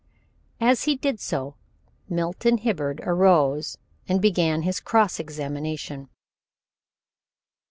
As he did so Milton Hibbard arose and began his cross examination.